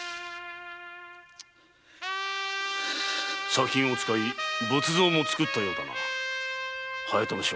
砂金を使い仏像も作ったようだな隼人正